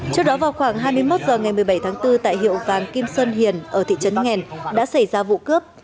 trước đó vào khoảng hai mươi một h ngày một mươi bảy tháng bốn tại hiệu vàng kim sơn hiền ở thị trấn nghèn đã xảy ra vụ cướp